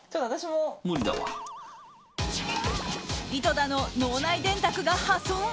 井戸田の脳内電卓が破損。